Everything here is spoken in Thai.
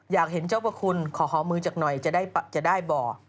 อยากเห็นเจ้าพระคุณขอหอมือจากหน่อยจะได้บ่อ